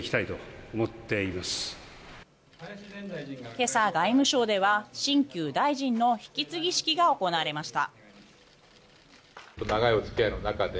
今朝、外務省では新旧大臣の引き継ぎ式が行われました。